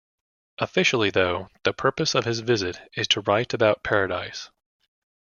Officially, though, the purpose of his visit is to write about Paradise.